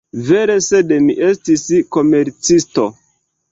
Vere! sed mi estis komercisto!